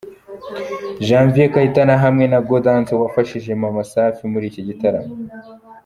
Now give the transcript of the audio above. Janvier Kayitana hamwe na Gaudence wafashije Maman Safi muri iki gitaramo.